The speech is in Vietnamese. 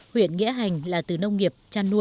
huyện nghĩa hành là từ nông nghiệp